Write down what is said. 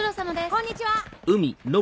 こんにちは。